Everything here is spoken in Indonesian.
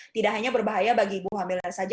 tidak hanya berbahaya bagi ibu hamil saja